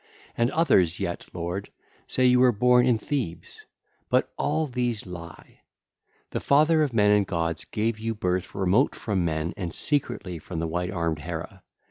And others yet, lord, say you were born in Thebes; but all these lie. The Father of men and gods gave you birth remote from men and secretly from white armed Hera.